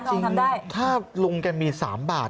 จริงถ้าลุงแกมี๓บาท